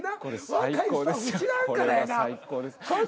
これ最高ですよ。